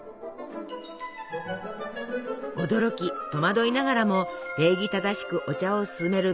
驚き戸惑いながらも礼儀正しくお茶をすすめるビルボ。